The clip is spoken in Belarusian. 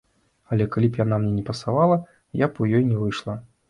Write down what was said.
Але калі б яна мне не пасавала, я б у ёй не выйшла.